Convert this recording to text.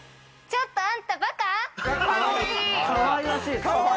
ちょっとあんたバカ。